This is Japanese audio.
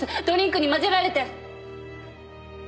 ドリンクに混ぜられて。